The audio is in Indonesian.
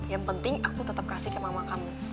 yang penting aku tetap kasih ke mama kamu